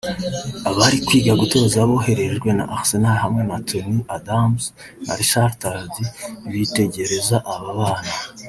Abari kwiga gutoza boherejwe na Arsenal hamwe na Tony Adams na Richard Tardy bitegereza aba bana